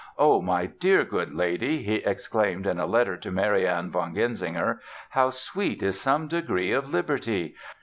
"Oh, my dear good lady", he exclaimed in a letter to Marianne von Genzinger, "how sweet is some degree of liberty!